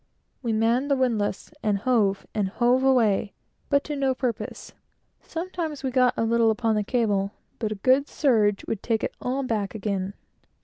We manned the windlass, and hove, and hove away, but to no purpose. Sometimes we got a little upon the cable, but a good surge would take it all back again.